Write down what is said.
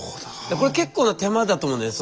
これ結構な手間だと思うんだよね。